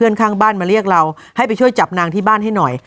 ข้างบ้านมาเรียกเราให้ไปช่วยจับนางที่บ้านให้หน่อย